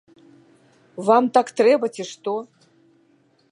Вам так трэба, ці што?